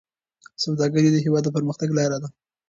سوداګري د هېواد د پرمختګ لاره ده.